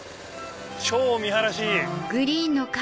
超見晴らしいい！